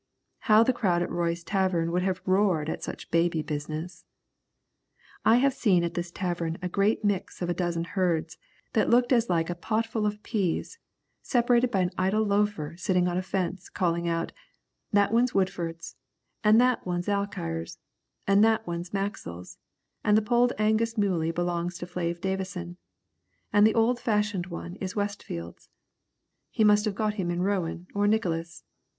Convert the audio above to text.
How the crowd at Roy's tavern would have roared at such baby business. I have seen at this tavern a great mix of a dozen herds, that looked as like as a potful of peas, separated by an idle loafer sitting on a fence, calling out, "That one's Woodford's, an' that one's Alkire's an' that one's Maxwell's, an' the Polled Angus muley belongs to Flave Davisson, an' the old fashioned one is Westfield's. He must have got him in Roane or Nicholas.